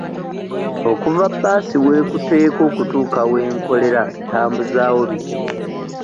Okuva bbaasi w'ekuteeka okutuuka we nkolera ntambuzaawo bigere.